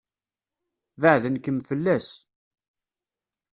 Baɛden-kem fell-as.